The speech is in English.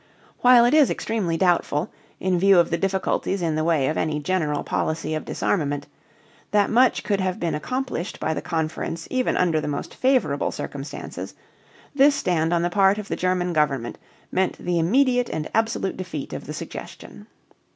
While it is extremely doubtful, in view of the difficulties in the way of any general policy of disarmament, that much could have been accomplished by the conference even under the most favorable circumstances, this stand on the part of the German government meant the immediate and absolute defeat of the suggestion.